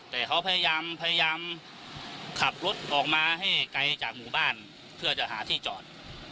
แต่เขาพยายามขับรถออกมาให้ไกลจากหมู่บ้านเพื่อจะหาที่จอด